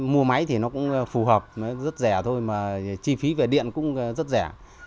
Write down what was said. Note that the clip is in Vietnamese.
mua máy thì nó cũng phù hợp nó rất rẻ thôi mà chi phí về điện cũng rất rẻ